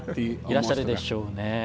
いらっしゃるでしょうね。